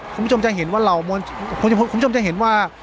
คุณผู้ชมจะเห็นว่าเหล่ามวลคุณผู้ชมจะเห็นว่า